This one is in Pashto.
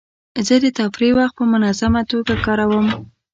زه د تفریح وخت په منظمه توګه کاروم.